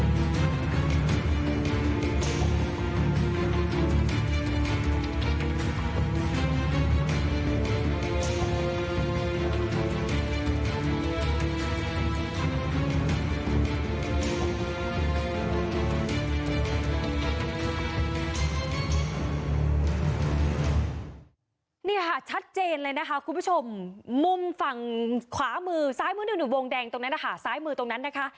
นี่ค่ะชัดเจนเลยนะคะคุณผู้ชมมุมฝั่งขวามือซ้ายมือหนึ่งอยู่วงแดงตรงนั้นนะคะซ้ายมือตรงนั้นนะคะ